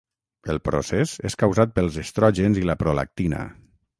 El procés és causat pels estrògens i la prolactina.